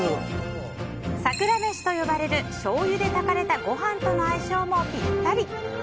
桜飯と呼ばれるしょうゆで炊かれたご飯との相性もぴったり。